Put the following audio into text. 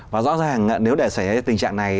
và rõ ràng nếu để xảy ra tình trạng này